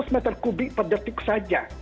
seratus m tiga per detik saja